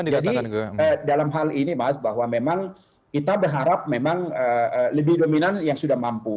jadi dalam hal ini mas bahwa memang kita berharap memang lebih dominan yang sudah mampu